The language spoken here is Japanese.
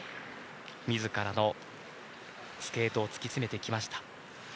自らのスケートを突き詰めてきました。